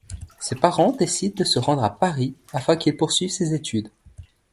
Ses parents décident de se rendre à Paris afin qu'il poursuive ses études.